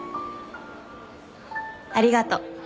ありがとう。